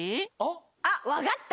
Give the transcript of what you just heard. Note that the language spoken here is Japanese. あっわかった！